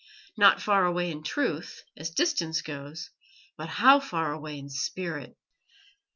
Not far away in truth, as distance goes, but how far away in spirit!